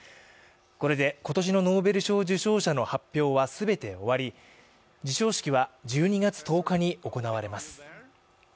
これで今年のノーベル賞受賞者の発表は全て終わり授賞式は１２月１０日に行われます。